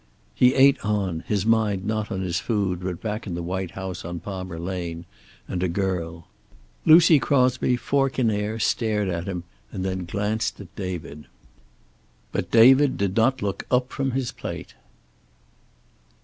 He ate on, his mind not on his food, but back in the white house on Palmer Lane, and a girl. Lucy Crosby, fork in air, stared at him, and then glanced at David. But David did not look up from his plate.